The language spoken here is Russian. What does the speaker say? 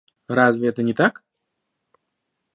Разве это не так?